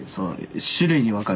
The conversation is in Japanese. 種類に分かれる。